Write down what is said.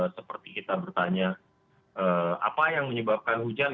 seperti kita bertanya apa yang menyebabkan hujan